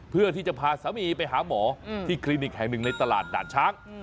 เพื่อที่จะพาสามีไปหาหมอที่คลินิกแห่งหนึ่งในตลาดด่านช้าง